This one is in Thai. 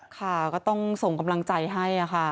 ค่ะก็ต้องส่งกำลังใจให้ค่ะ